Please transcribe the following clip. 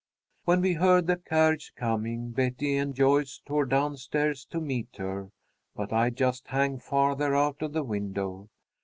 "When we heard the carriage coming, Betty and Joyce tore down stairs to meet her, but I just hung farther out of the window.